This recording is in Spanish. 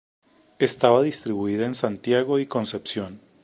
Estaba distribuida en Santiago y Concepción.